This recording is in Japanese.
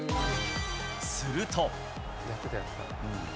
すると。